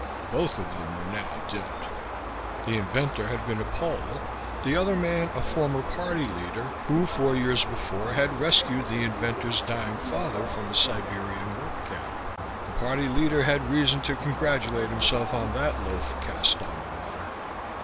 Both of them were now dead. The inventor had been a Pole, the other man a former Party leader who, four years before, had rescued the inventor's dying father from a Siberian work camp. The Party leader had reason to congratulate himself on that loaf cast on the water.